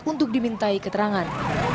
untuk dimintai keterangan